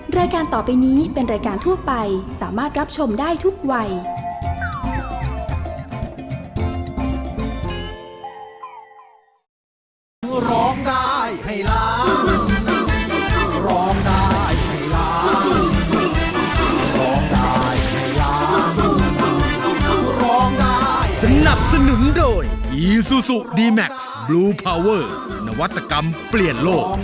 รายการต่อไปนี้เป็นรายการทั่วไปสามารถรับชมได้ทุกวัย